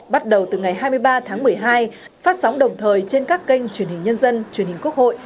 bắt đầu từ ngày hai mươi ba tháng một mươi hai phát sóng đồng thời trên các kênh truyền hình nhân dân truyền hình quốc hội